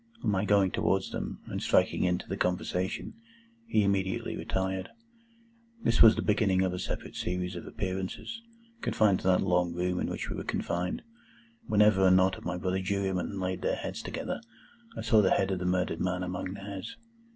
On my going towards them, and striking into the conversation, he immediately retired. This was the beginning of a separate series of appearances, confined to that long room in which we were confined. Whenever a knot of my brother jurymen laid their heads together, I saw the head of the murdered man among theirs.